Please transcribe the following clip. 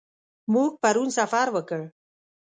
موږ پرون سفر وکړ.